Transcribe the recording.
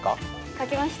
書きました。